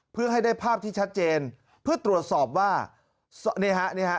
เพื่อให้ได้ภาพที่ชัดเจนเพื่อตรวจสอบว่านี่ฮะนี่ฮะ